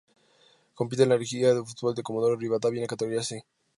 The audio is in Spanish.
Compite en la liga de fútbol de Comodoro Rivadavia en la categoría "C".